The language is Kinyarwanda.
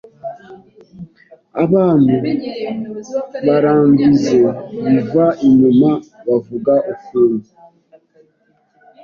abantu baramvize biva inyuma bavuga ukuntu